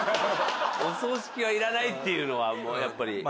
お葬式はいらないっていうのはやっぱり。